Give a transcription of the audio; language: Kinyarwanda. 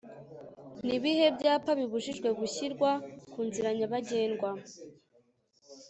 Nibihe byapa bibujijwe gushyirwa kunzira nyabagendwa